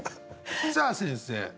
さあ先生